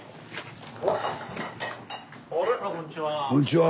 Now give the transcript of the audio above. あらこんにちは。